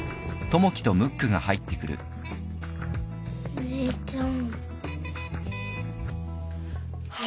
お姉ちゃん。